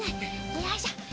よいしょ。